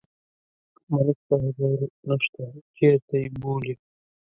ملک صاحب ویل: نشته، چېرته یې بولي؟